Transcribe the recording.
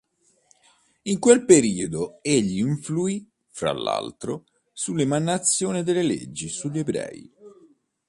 In quel periodo egli influì, fra l'altro sull'emanazione delle leggi sugli ebrei.